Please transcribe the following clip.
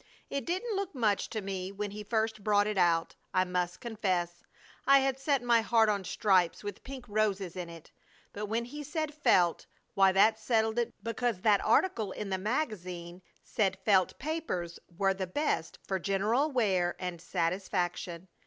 It didn't look much to me when he first brought it out, I must confess. I had set my heart on stripes with pink roses in it. But when he said 'felt,' why that settled it because that article in the magazine said felt papers were the best for general wear and satisfaction.